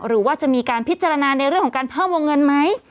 หรือว่าจะมีการพิจารณาในเรื่องของการเพิ่มวงเงินไหม